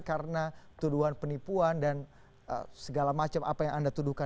karena tuduhan penipuan dan segala macam apa yang anda tuduhkan